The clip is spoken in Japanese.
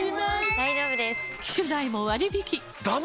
大丈夫です！